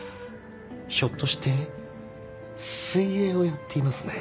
ひょっとして水泳をやっていますね。